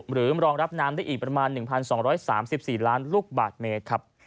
รองรับน้ำได้อีกประมาณ๑๒๓๔ล้านลูกบาทเมตรครับ